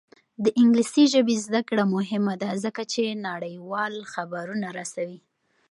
د انګلیسي ژبې زده کړه مهمه ده ځکه چې نړیوال خبرونه رسوي.